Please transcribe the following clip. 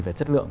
về chất lượng